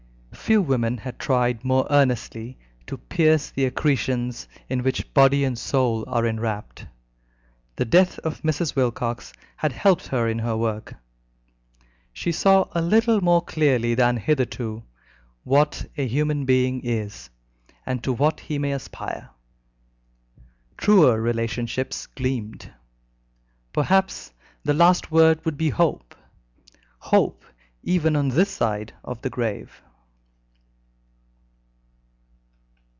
Few women had tried more earnestly to pierce the accretions in which body and soul are enwrapped. The death of Mrs. Wilcox had helped her in her work. She saw a little more clearly than hitherto what a human being is, and to what he may aspire. Truer relationships gleamed. Perhaps the last word would be hope hope even on this side of the grave.